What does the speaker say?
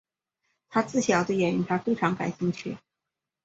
她自小对演艺圈非常感兴趣。